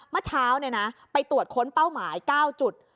เมื่อเช้าไปตรวจค้นเป้าหมาย๙จุด